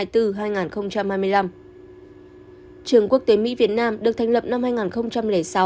trường quốc tế mỹ việt nam được thành lập năm hai nghìn sáu